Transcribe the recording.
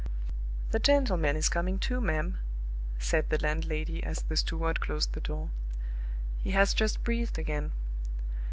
"The gentleman is coming to, ma'am," said the landlady, as the steward closed the door. "He has just breathed again."